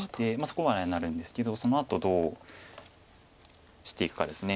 そこまではなるんですけどそのあとどうしていくかです。